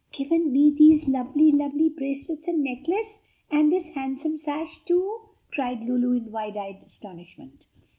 "Given me these lovely, lovely bracelets and necklace! and this handsome sash too!" cried Lulu in wide eyed astonishment.